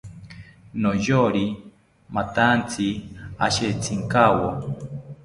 Noyori mathantzi ashetzinkawo